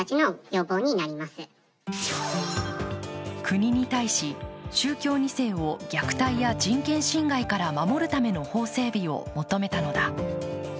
国に対し、宗教２世を虐待や人権侵害から守るための法整備を求めたのだ。